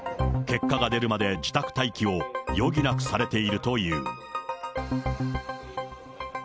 結果が出るまで自宅待機を余儀なくされているという。